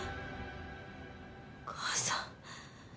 お母さん。